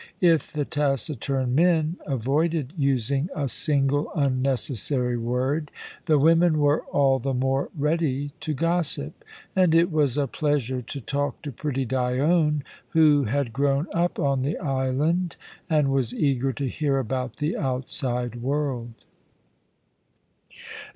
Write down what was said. If the taciturn men avoided using a single unnecessary word, the women were all the more ready to gossip; and it was a pleasure to talk to pretty Dione, who had grown up on the island and was eager to hear about the outside world.